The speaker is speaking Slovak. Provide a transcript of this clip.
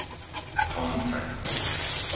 Honce